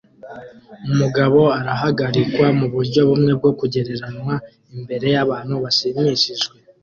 Umugabo arahagarikwa muburyo bumwe bwo kugereranya imbere yabantu bashimishijwe